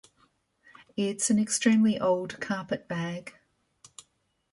It’s an extremely old carpet-bag.